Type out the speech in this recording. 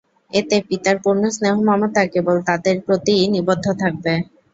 এতে পিতার পূর্ণ স্নেহ-মমতা কেবল তাদের প্রতিই নিবদ্ধ থাকবে।